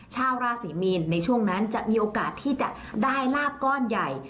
ชาวราศรีมีนในช่วงนั้นจะมีโอกาสที่จะได้ลาบก้อนใหญ่